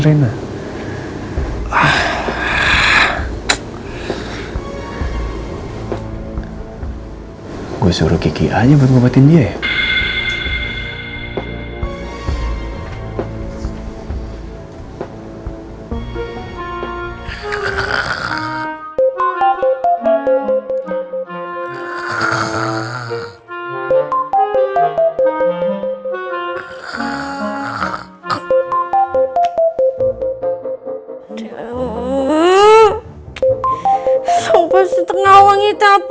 riset iso enggak menu menu menengah